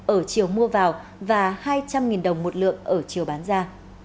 ở chiều mua vào và hai trăm linh đồng một lượng ở chiều bán ra